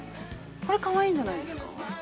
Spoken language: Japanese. これ、かわいいんじゃないですか。